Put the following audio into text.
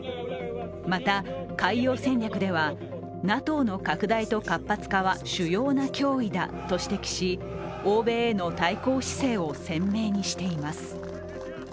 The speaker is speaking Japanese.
また海洋戦略では、ＮＡＴＯの拡大と活発化は主要な脅威だと指摘し、欧米への対抗姿勢を鮮明にしています。